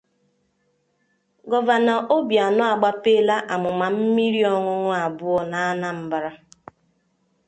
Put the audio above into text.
Gọvanọ Obianọ agbapeela amụmà mmiri ọñụñụ abụọ n'Anambra